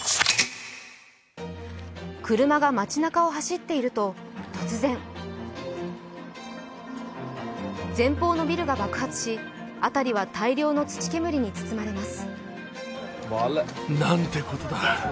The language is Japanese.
車が街なかを走っていると突然前方のビルが爆発し辺りは大量の土煙に包まれます。